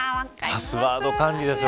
パスワード管理ですよ